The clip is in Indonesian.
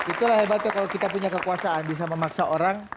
itulah hebatnya kalau kita punya kekuasaan bisa memaksa orang